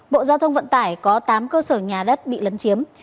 bộ giao thông vận tải có tám cơ sở nhà đất bị lấn chiếm